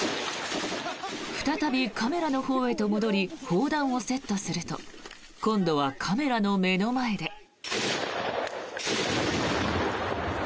再びカメラのほうへと戻り砲弾をセットすると今度はカメラの目の前で。